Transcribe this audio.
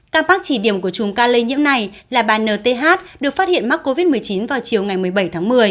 ca mắc chỉ điểm của chùm ca lây nhiễm này là bà nth được phát hiện mắc covid một mươi chín vào chiều ngày một mươi bảy tháng một mươi